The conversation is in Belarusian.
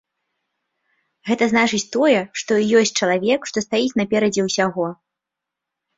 Гэта значыць тое, што і ёсць чалавек, што стаіць наперадзе ўсяго.